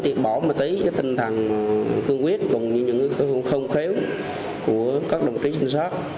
để bỏ một tí cái tinh thần cương quyết cùng những cái không khéo của các đồng chí trinh sát